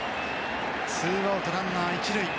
２アウト、ランナー１塁。